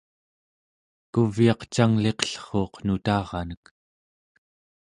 kuvyaq cangliqellruuq nutaranek